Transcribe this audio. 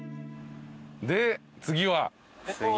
で次は？